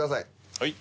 はい。